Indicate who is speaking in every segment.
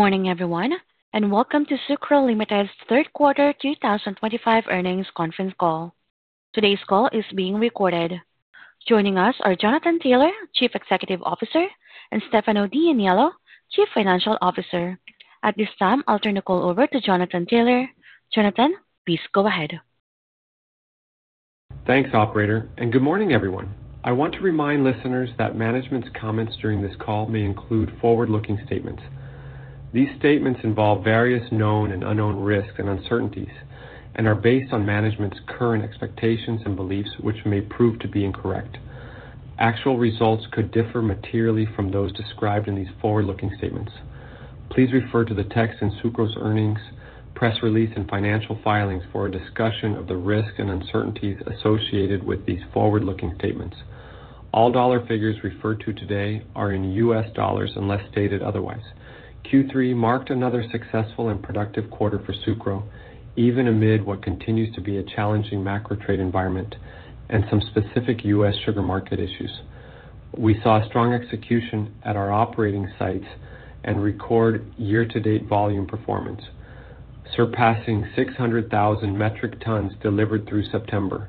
Speaker 1: Good morning, everyone, and welcome to Sucro Limited's third quarter 2025 earnings conference call. Today's call is being recorded. Joining us are Jonathan Taylor, Chief Executive Officer, and Stefano D'Aniello, Chief Financial Officer. At this time, I'll turn the call over to Jonathan Taylor. Jonathan, please go ahead.
Speaker 2: Thanks, Operator. Good morning, everyone. I want to remind listeners that management's comments during this call may include forward-looking statements. These statements involve various known and unknown risks and uncertainties and are based on management's current expectations and beliefs, which may prove to be incorrect. Actual results could differ materially from those described in these forward-looking statements. Please refer to the text in Sucro's earnings, press release, and financial filings for a discussion of the risks and uncertainties associated with these forward-looking statements. All dollar figures referred to today are in US dollars unless stated otherwise. Q3 marked another successful and productive quarter for Sucro, even amid what continues to be a challenging macro-trade environment and some specific US sugar market issues. We saw strong execution at our operating sites and record year-to-date volume performance, surpassing 600,000 metric tons delivered through September.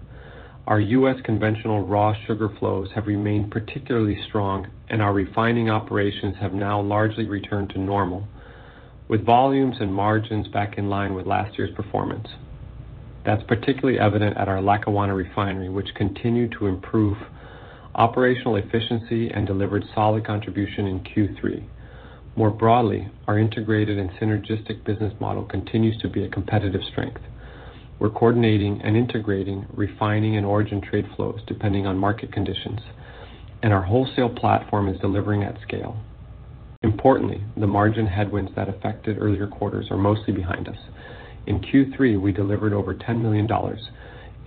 Speaker 2: Our US conventional raw sugar flows have remained particularly strong, and our refining operations have now largely returned to normal, with volumes and margins back in line with last year's performance. That's particularly evident at our Lackawanna refinery, which continued to improve operational efficiency and delivered solid contribution in Q3. More broadly, our integrated and synergistic business model continues to be a competitive strength. We're coordinating and integrating refining and origin trade flows depending on market conditions, and our wholesale platform is delivering at scale. Importantly, the margin headwinds that affected earlier quarters are mostly behind us. In Q3, we delivered over $10 million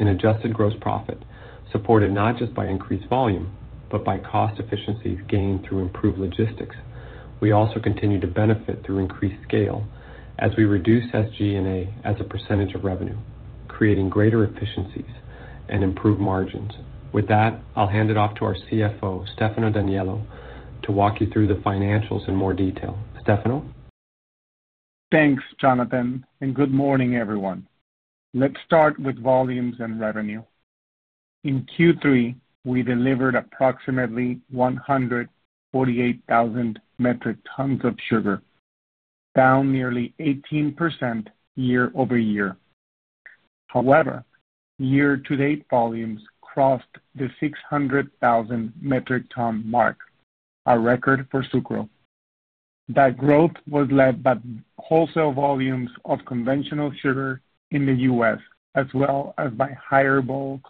Speaker 2: in adjusted gross profit, supported not just by increased volume but by cost efficiencies gained through improved logistics. We also continue to benefit through increased scale as we reduce SG&A as a percentage of revenue, creating greater efficiencies and improved margins. With that, I'll hand it off to our CFO, Stefano D'Aniello, to walk you through the financials in more detail. Stefano?
Speaker 3: Thanks, Jonathan, and good morning, everyone. Let's start with volumes and revenue. In Q3, we delivered approximately 148,000 metric tons of sugar, down nearly 18% year over year. However, year-to-date volumes crossed the 600,000 metric ton mark, a record for Sucro. That growth was led by wholesale volumes of conventional sugar in the US, as well as by higher bulk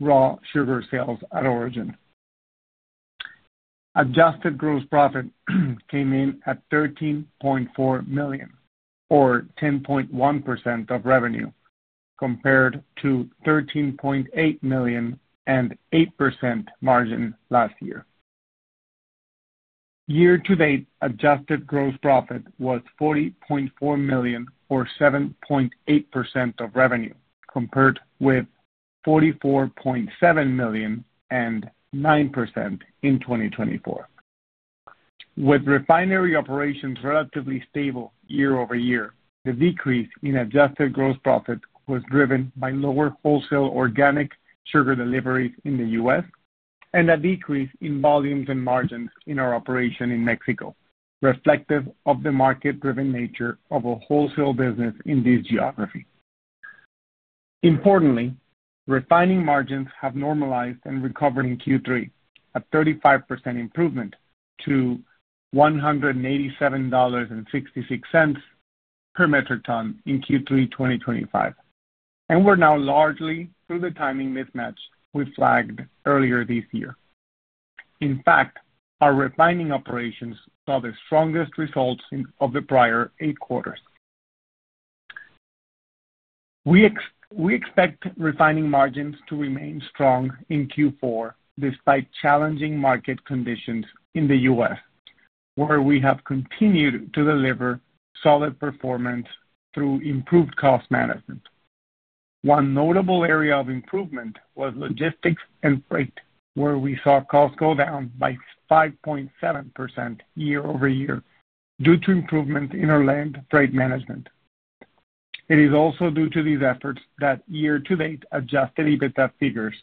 Speaker 3: raw sugar sales at origin. Adjusted gross profit came in at $13.4 million, or 10.1% of revenue, compared to $13.8 million and 8% margin last year. Year-to-date adjusted gross profit was $40.4 million, or 7.8% of revenue, compared with $44.7 million and 9% in 2024. With refinery operations relatively stable year over year, the decrease in adjusted gross profit was driven by lower wholesale organic sugar deliveries in the US and a decrease in volumes and margins in our operation in Mexico, reflective of the market-driven nature of a wholesale business in this geography. Importantly, refining margins have normalized and recovered in Q3, a 35% improvement to $187.66 per metric ton in Q3 2025, and we are now largely through the timing mismatch we flagged earlier this year. In fact, our refining operations saw the strongest results of the prior eight quarters. We expect refining margins to remain strong in Q4 despite challenging market conditions in the US, where we have continued to deliver solid performance through improved cost management. One notable area of improvement was logistics and freight, where we saw costs go down by 5.7% year over year due to improvements in our land freight management. It is also due to these efforts that year-to-date adjusted EBITDA figures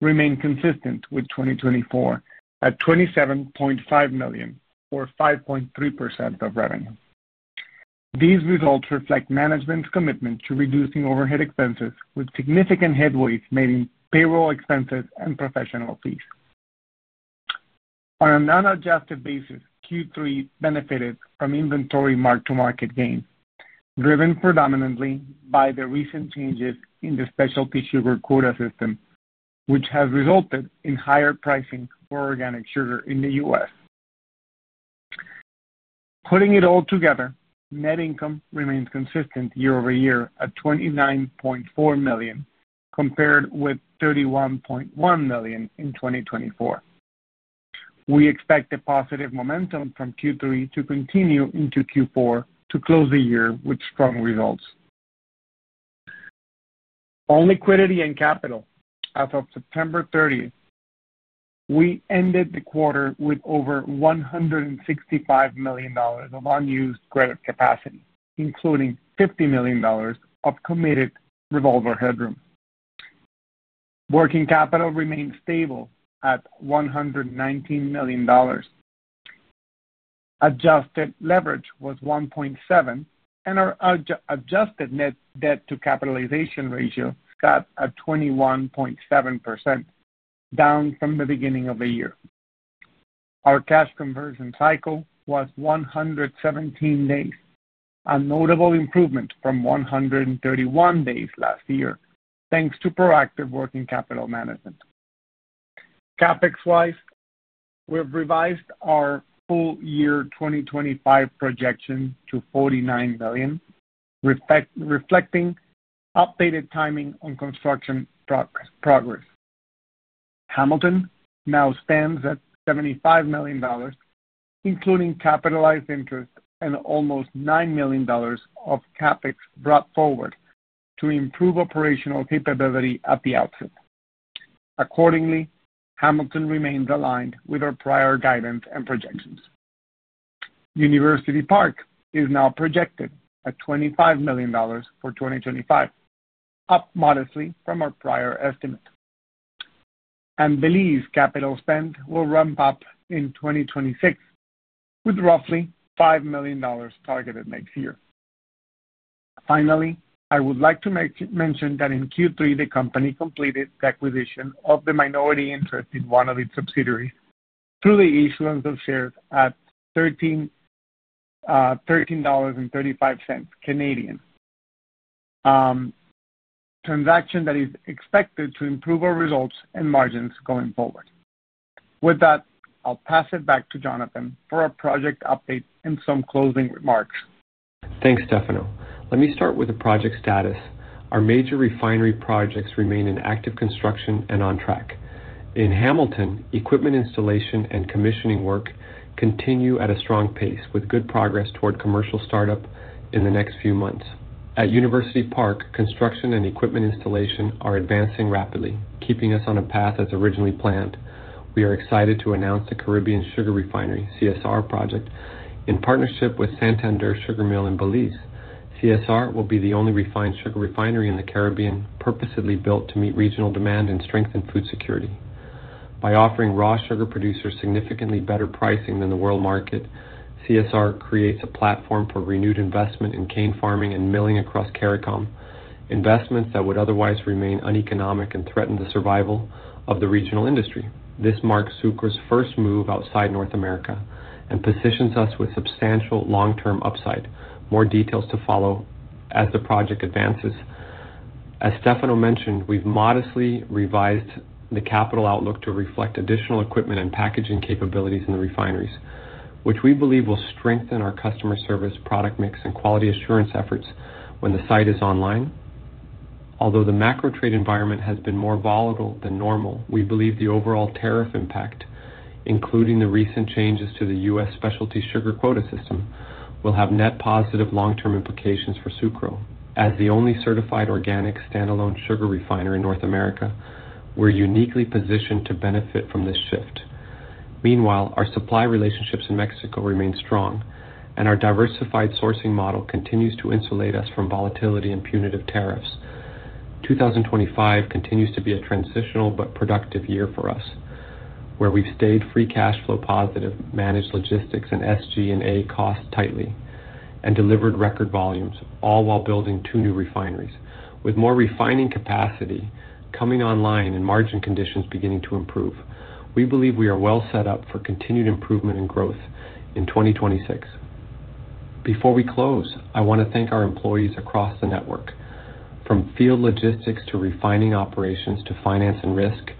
Speaker 3: remain consistent with 2024 at $27.5 million, or 5.3% of revenue. These results reflect management's commitment to reducing overhead expenses, with significant headways made in payroll expenses and professional fees. On a non-adjusted basis, Q3 benefited from inventory mark-to-market gains, driven predominantly by the recent changes in the specialty sugar quota system, which has resulted in higher pricing for organic sugar in the US. Putting it all together, net income remains consistent year over year at $29.4 million, compared with $31.1 million in 2024. We expect the positive momentum from Q3 to continue into Q4 to close the year with strong results. On liquidity and capital, as of September 30, we ended the quarter with over $165 million of unused credit capacity, including $50 million of committed revolver headroom. Working capital remained stable at $119 million. Adjusted leverage was 1.7, and our adjusted net debt-to-capitalization ratio sat at 21.7%, down from the beginning of the year. Our cash conversion cycle was 117 days, a notable improvement from 131 days last year, thanks to proactive working capital management. CapEx-wise, we've revised our full year 2025 projection to $49 million, reflecting updated timing on construction progress. Hamilton now stands at $75 million, including capitalized interest and almost $9 million of CapEx brought forward to improve operational capability at the outset. Accordingly, Hamilton remains aligned with our prior guidance and projections. University Park is now projected at $25 million for 2025, up modestly from our prior estimate. Belize capital spend will ramp up in 2026, with roughly $5 million targeted next year. Finally, I would like to mention that in Q3, the company completed the acquisition of the minority interest in one of its subsidiaries through the issuance of shares at 13.35 dollars, a transaction that is expected to improve our results and margins going forward. With that, I'll pass it back to Jonathan for a project update and some closing remarks.
Speaker 2: Thanks, Stefano. Let me start with the project status. Our major refinery projects remain in active construction and on track. In Hamilton, equipment installation and commissioning work continue at a strong pace, with good progress toward commercial startup in the next few months. At University Park, construction and equipment installation are advancing rapidly, keeping us on a path as originally planned. We are excited to announce the Caribbean Sugar Refinery (CSR) project in partnership with Santander Sugar Mill in Belize. CSR will be the only refined sugar refinery in the Caribbean, purposely built to meet regional demand and strengthen food security. By offering raw sugar producers significantly better pricing than the world market, CSR creates a platform for renewed investment in cane farming and milling across CARICOM, investments that would otherwise remain uneconomic and threaten the survival of the regional industry. This marks Sucro's first move outside North America and positions us with substantial long-term upside. More details to follow as the project advances. As Stefano D'Aniello mentioned, we've modestly revised the capital outlook to reflect additional equipment and packaging capabilities in the refineries, which we believe will strengthen our customer service product mix and quality assurance efforts when the site is online. Although the macro-trade environment has been more volatile than normal, we believe the overall tariff impact, including the recent changes to the US specialty sugar quota system, will have net positive long-term implications for Sucro. As the only certified organic standalone sugar refinery in North America, we're uniquely positioned to benefit from this shift. Meanwhile, our supply relationships in Mexico remain strong, and our diversified sourcing model continues to insulate us from volatility and punitive tariffs. 2025 continues to be a transitional but productive year for us, where we've stayed free cash flow positive, managed logistics and SG&A costs tightly, and delivered record volumes, all while building two new refineries, with more refining capacity coming online and margin conditions beginning to improve. We believe we are well set up for continued improvement and growth in 2026. Before we close, I want to thank our employees across the network. From field logistics to refining operations to finance and risk,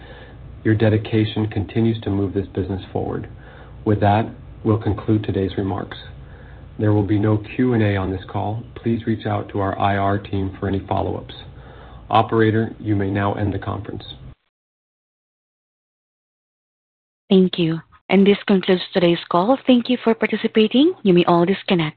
Speaker 2: your dedication continues to move this business forward. With that, we'll conclude today's remarks. There will be no Q&A on this call. Please reach out to our IR team for any follow-ups. Operator, you may now end the conference.
Speaker 1: Thank you. This concludes today's call. Thank you for participating. You may all disconnect.